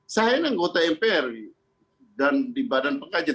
sehari hari anggota mpr dan di badan pengkajian